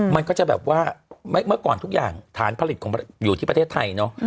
มันก็จะแบบว่าเมื่อก่อนทุกอย่างฐานผลิตของอยู่ที่ประเทศไทยเนอะ